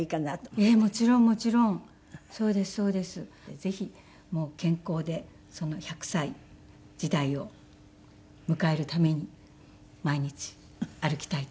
ぜひ健康で１００歳時代を迎えるために毎日歩きたいと。